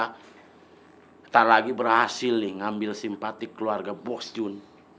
kita lagi berhasil nih ngambil simpati keluarga bos jun